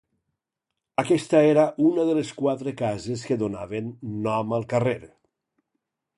Aquesta era una de les quatre cases que donaven nom al carrer.